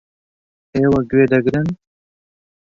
ئێوە گوێ دەگرن.